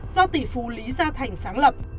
do tỷ phú lý gia thành sáng lập